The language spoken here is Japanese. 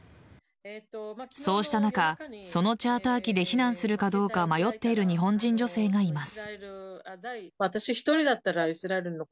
そうした中、そのチャーター機で避難するかどうか迷っている日本人女性がいます。